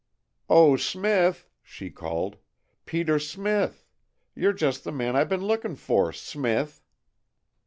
"Oh, Smith!" she called. "Peter Smith! You 're just the man I been looking for, _Smith!